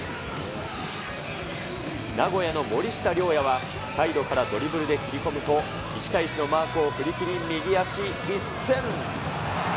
名古屋の森下龍矢はサイドからドリブルで切り込むと、１対１のマークを振り切り右足一せん。